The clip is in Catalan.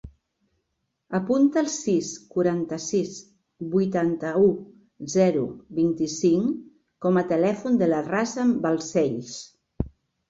Apunta el sis, quaranta-sis, vuitanta-u, zero, vint-i-cinc com a telèfon de la Razan Balsells.